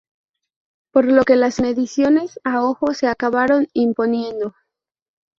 Por lo que las mediciones a ojo se acabaron imponiendo.